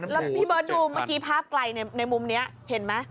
แล้วพี่เบิร์ตดูเมื่อกี้ภาพไกลในมุมนี้เห็นไหม